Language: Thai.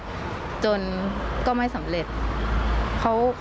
ความโหโชคดีมากที่วันนั้นไม่ถูกในไอซ์แล้วเธอเคยสัมผัสมาแล้วว่าค